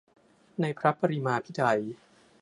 ในพระปรมาภิไธย